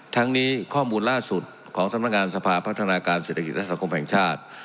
ทั้งนี้ข้อมูลล่าสุดของสำนักงานสภาพัฒนาการเศรษฐกิจและสังคมแห่งชาติ